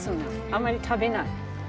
あまり食べない。